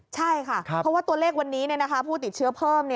ใช่ค่ะเพราะว่าตัวเลขวันนี้ผู้ติดเชื้อเพิ่ม